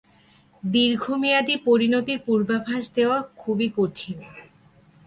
দীর্ঘমেয়াদী পরিণতির পূর্বাভাস দেয়া খুবই কঠিন।